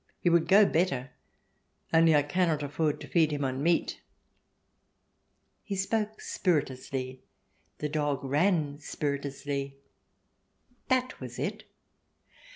He would go better, only I cannot afiford to feed him on meat." He spoke spiritlessly, the dog ran spiritlessly. That was it.